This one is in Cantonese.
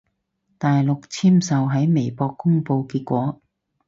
大陸簽售喺微博公佈結果